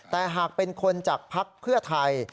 แต่หากเป็นคนจากภักดิ์เพื่อไทย